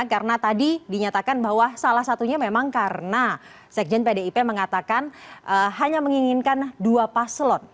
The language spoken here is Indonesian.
karena tadi dinyatakan bahwa salah satunya memang karena sekjen pdip mengatakan hanya menginginkan dua paslon